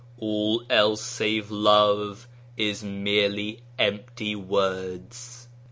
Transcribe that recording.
. All else save love is merely empty words."